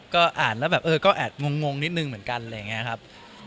ก็อ่านแล้วแบบเออก็แอบงงนิดนึงเหมือนกันอะไรอย่างนี้ครับ